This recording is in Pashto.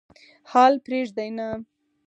حال پرېږدي نه.